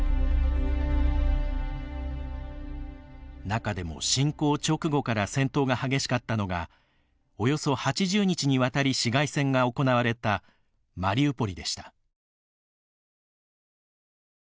中でも、侵攻直後から戦闘が激しかったのがおよそ８０日にわたり市街戦が行われたマリウポリでした。